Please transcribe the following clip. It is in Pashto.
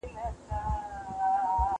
د بل درد خپل وګڼئ.